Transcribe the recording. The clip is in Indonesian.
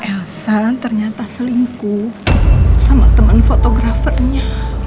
elsa ternyata selingkuh sama teman fotografernya